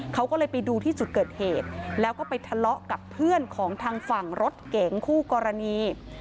เขาก็เลยไปดูที่จุดเกิดเหตุแล้วก็ไปทะเลาะกับเพื่อนของทางฝั่งรถเก๋งคู่กรณี